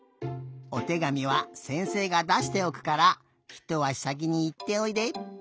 おてがみはせんせいがだしておくからひとあしさきにいっておいで！